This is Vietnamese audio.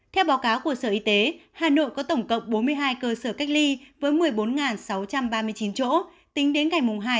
theo báo cáo của sở y tế hà nội có tổng cộng bốn mươi hai cơ sở cách ly với một mươi bốn sáu trăm ba mươi chín chỗ tính đến ngày hai tháng chín